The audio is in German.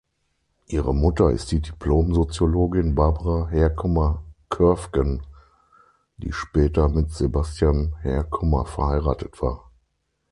Ihre Mutter ist die Diplom-Soziologin Barbara Herkommer-Körfgen, die später mit Sebastian Herkommer verheiratet war.